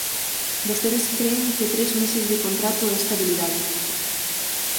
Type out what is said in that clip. Vostedes cren que tres meses de contrato é estabilidade.